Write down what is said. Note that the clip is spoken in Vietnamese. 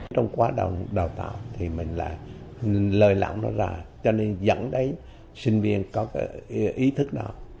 trong quá trình đào tạo mình lại lời lãng nó ra cho nên dẫn đến sinh viên có ý thức đó